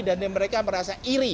dan yang mereka merasa iri